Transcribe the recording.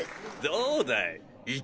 どうだい？